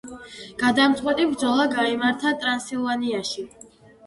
გადამწყვეტი ბრძოლა გაიმართა ტრანსილვანიაში.